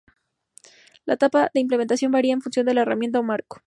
La etapa de implementación varía en función de la herramienta o marco.